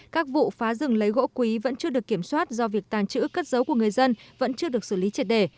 các vụ phá rừng lấy gỗ quý vẫn chưa được kiểm soát do việc tàng trữ cất dấu của người dân vẫn chưa được xử lý triệt đề